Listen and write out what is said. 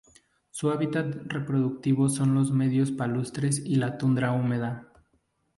Su hábitat reproductivo son los medios palustres y la tundra húmeda.